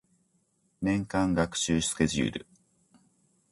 年間学習スケジュール